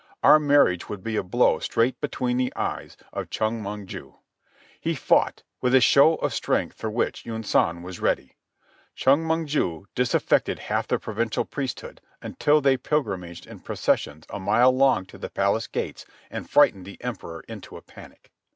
Our marriage would be a blow straight between the eyes of Chong Mong ju. He fought, with a show of strength for which Yunsan was ready. Chong Mong ju disaffected half the provincial priesthood, until they pilgrimaged in processions a mile long to the palace gates and frightened the Emperor into a panic.